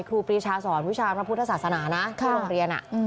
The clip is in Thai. ครูปีชาสอนวิชาพระพุทธศาสนานะที่โรงเรียน